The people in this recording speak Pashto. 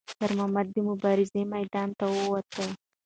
خیر محمد د مبارزې میدان ته وووت.